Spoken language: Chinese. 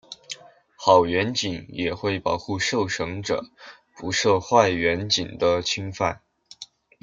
好员警也会保护受审者不受坏员警的侵犯。